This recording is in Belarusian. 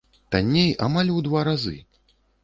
Танней амаль у два разы!